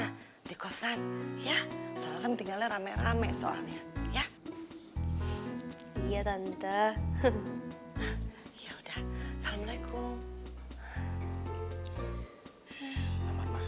di sana di kosan ya soalnya tinggal rame rame soalnya ya iya tante ya udah assalamualaikum